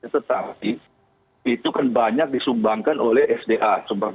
tetapi itu kan banyak disumbangkan oleh sda